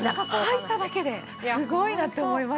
はいただけですごいなと思います。